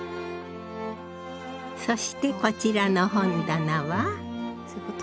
そしてこちらの本棚は。